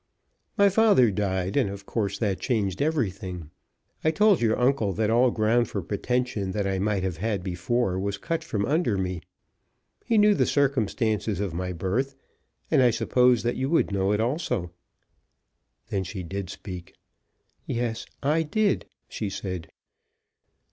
"My father died, and of course that changed everything. I told your uncle that all ground for pretension that I might have had before was cut from under me. He knew the circumstances of my birth, and I supposed that you would know it also." Then she did speak. "Yes, I did," she said.